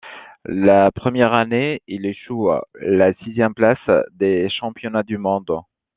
La première année, il échoue à la sixième place des championnats du monde.